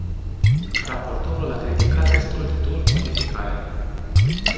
Raportorul a criticat destul de dur modificarea.